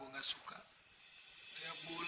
oke makasih everlhalten champion you bang